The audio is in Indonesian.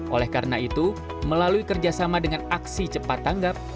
oleh karena itu melalui kerjasama dengan aksi cepat tanggap